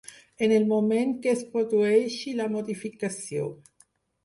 En el moment que es produeixi la modificació.